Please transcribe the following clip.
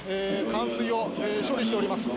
冠水を処理しております